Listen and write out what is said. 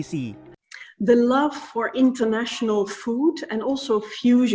kekasihannya untuk makanan internasional dan juga makanan fusi